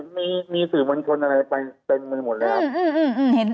มีสื่อมัญชนอะไรไปเต็มไปหมดเลยครับ